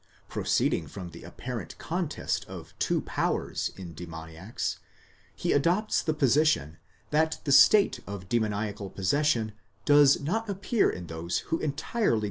Proceeding from the apparent contest of two powers in the demoniacs, he adopts the position that the state of demoniacal possession does not appear in those who entirely 36 S.